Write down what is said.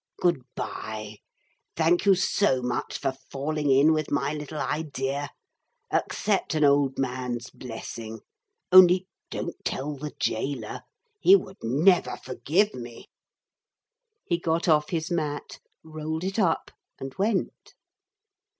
Good bye thank you so much for falling in with my little idea. Accept an old man's blessing. Only don't tell the gaoler. He would never forgive me.' He got off his mat, rolled it up and went.